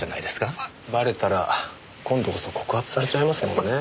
バレたら今度こそ告発されちゃいますもんね。